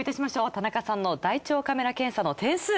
田中さんの大腸カメラ検査の点数。